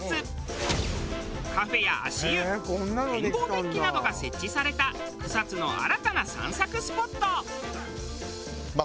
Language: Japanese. カフェや足湯展望デッキなどが設置された草津の新たな散策スポット。